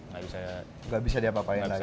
nggak bisa diapa apain lagi